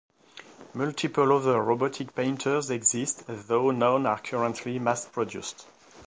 Multiple other robotic painters exist though none are currently mass-produced.